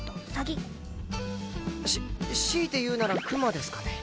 し強いて言うならクマですかね。